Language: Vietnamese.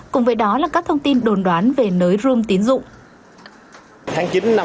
cùng với đó là các thông tin đồn đoán về nới rome tín dụng